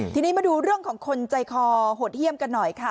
ทีนี้มาดูเรื่องของคนใจคอโหดเยี่ยมกันหน่อยค่ะ